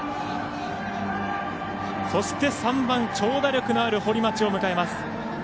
そして、３番、長打力のある堀町を迎えます。